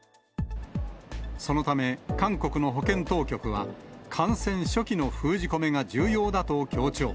そのため、韓国の保健当局は、感染初期の封じ込めが重要だと強調。